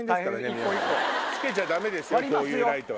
付けちゃダメですよこういうライトはね。